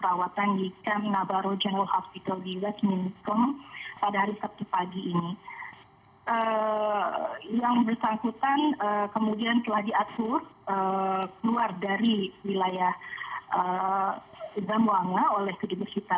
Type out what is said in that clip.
namun hal ini belum ada konfirmasi lebih lanjut dari pihak angkatan bersenjata filipina